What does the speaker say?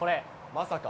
まさか？